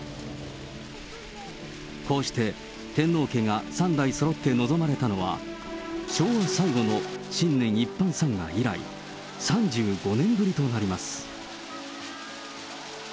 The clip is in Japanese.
こうして、天皇家が３代そろって臨まれたのは、昭和最後の新年一般参賀以来、３５年ぶりとなります。